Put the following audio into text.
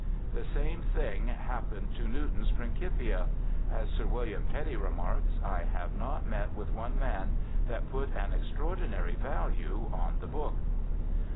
71ie same thing happened to Newton's Principia ; as Sir Wilham Petty remarks, ' I have not met with one man that put an extraordinary value on the book.'